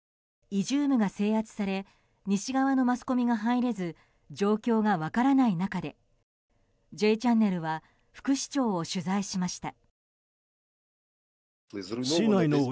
イジュームが制圧され西側のマスコミが入れず状況が分からない中で「Ｊチャンネル」は副市長を取材しました。